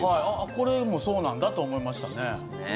これもそうなんだと思いましたね。